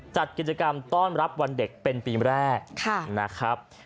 จัดกิจกรรมต้อนรับวันเด็กเป็นปีแรกนะครับ